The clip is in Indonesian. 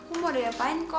aku mau ada yang apain ko